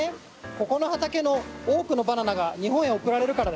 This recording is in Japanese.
ここの畑の多くのバナナが日本へ送られるからだよ。